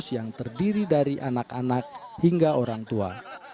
yang terdiri dari anak anak hingga orang tua